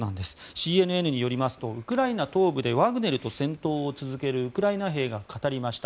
ＣＮＮによりますとウクライナ東部でワグネルと戦闘を続けるウクライナ兵が語りました。